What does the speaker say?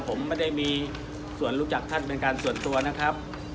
ผมไม่ได้มีส่วนรู้จักท่านเป็นการส่วนตัวนะครับ